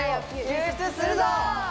救出するぞ！